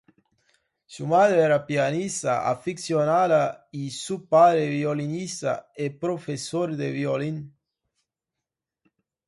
Su madre era pianista aficionada y su padre violinista y profesor de violín.